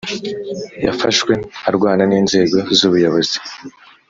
Yafashwe arwana ninzego zubuyobozi